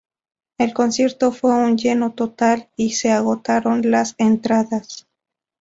El concierto fue un lleno total y se agotaron las entradas.